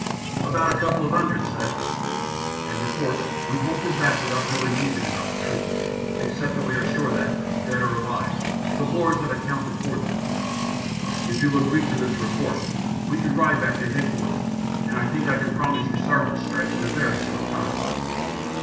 "About a couple of hundred, sir." "And of course we bolted back without knowing anything about the troop, except that we are sure that, dead or alive, the Boers have accounted for them. If you'll agree to this report, we can ride back to Headquarters and I think I can promise you sergeant's stripes in a very short time!"